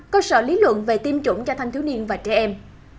cơ sở lý luận về tiêm chủng cho thanh thiếu niên và trẻ em